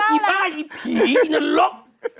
อีบ้าอี้ที่นรก